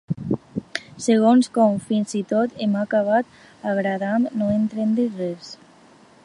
Segons com, fins i tot m'ha acabat agradant no entendre-hi res.